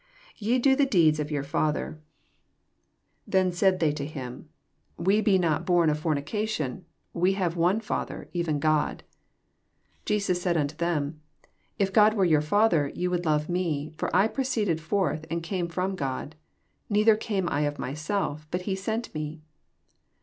41 Te do the deeds of your fiither* JOHN, coAF. ym. 109 Then add they to him. We be not 'bom of fomioation; we hare one Fa ther, even God. 42 Jesofl said onto them. If God were year Father, ye wonld lore me: for I proeeeded forth and oame from God; neither oame I of myself bnt he sent me.